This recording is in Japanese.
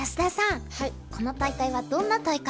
この大会はどんな大会なんですか？